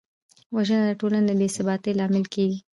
وژنه د ټولنې د بېثباتۍ لامل کېږي